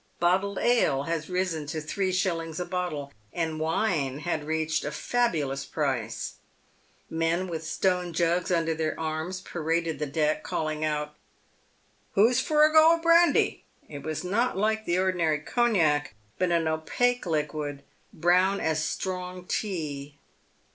Bottled ale had risen to three shillings a bottle, and wine had reached a fabu lous price. Men with stone jugs under their arms paraded the deck, calling out, " Who's for a go of brandy ?" It was not like the ordi nary cognac, but an opaque liquid, brown as strong tea.